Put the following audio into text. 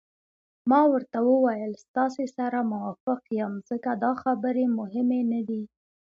ما ورته وویل: ستاسي سره موافق یم، ځکه دا خبرې مهمې نه دي.